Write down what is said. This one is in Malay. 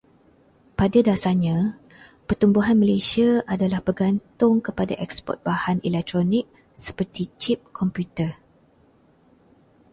Pada dasarnya, pertumbuhan Malaysia adalah bergantung kepada eksport bahan elektronik seperti cip komputer.